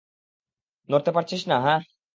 নড়তে পারছিস না, হাহ?